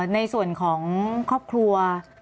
ในส่วนของครอบครัว